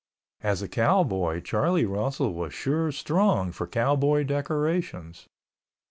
As a cowboy Charlie Russell was sure strong for cowboy decorations.